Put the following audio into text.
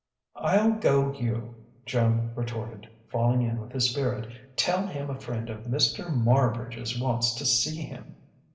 "I'll go you," Joan retorted, falling in with his spirit. "Tell him a friend of Mr. Marbridge's wants to see him."